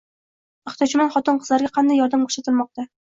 Ehtiyojmand xotin-qizlarga qanday yordam ko‘rsatilmoqda?